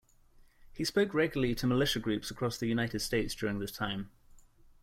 He spoke regularly to militia groups across the United States during this time.